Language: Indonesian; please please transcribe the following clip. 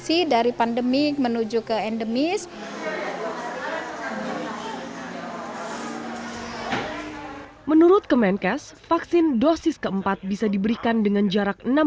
yang menuju ke endemis menurut kemenkes vaksin dosis keempat bisa diberikan dengan jarak enam